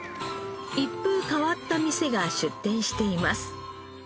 一風変わった店が出店しています。